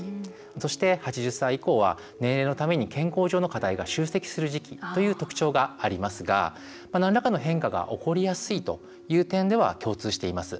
そして、８０歳以降は年齢のために健康上の課題が集積する時期ですがいずれも年齢も何らかの変化が起こりやすい点では共通しています。